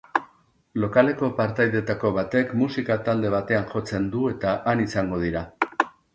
Lokaleko partaidetako batek musika talde batean jotzen du eta han izango dira.